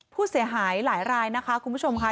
ผู้เสียหายหลายรายนะคะคุณผู้ชมค่ะ